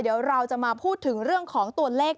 เดี๋ยวเราจะมาพูดถึงเรื่องของตัวเลข